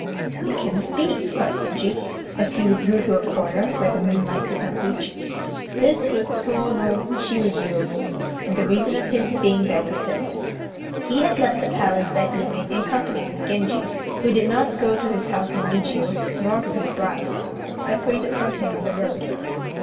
"Who can this be?" thought Genji, as he withdrew to a corner where the moonlight did not reach. This was Tô no Chiûjiô, and the reason of his being there was this: He had left the Palace that evening in company with Genji, who did not go to his house in Nijiô, nor to his bride, but separated from him on the road.